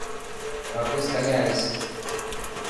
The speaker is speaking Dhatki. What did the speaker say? واپس ڪڏهن آئيس.